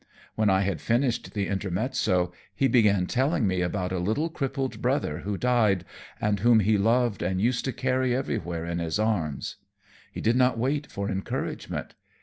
When I had finished the intermezzo, he began telling me about a little crippled brother who died and whom he loved and used to carry everywhere in his arms. He did not wait for encouragement.